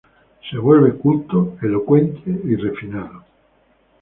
Se vuelve culto, elocuente y refinado.